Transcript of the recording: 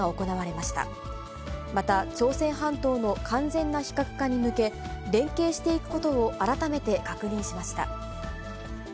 また、朝鮮半島の完全な非核化に向け、連携していくことを改めて確認しました。